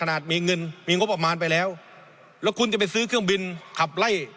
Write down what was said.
ท่านประธานครับ